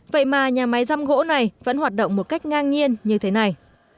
vậy mà nhà máy răm gỗ này vẫn hoạt động một cách ngang nhiên như thế này